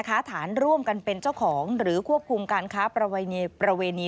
ค้าฐานร่วมกันเป็นเจ้าของหรือควบคุมการค้าประเวณี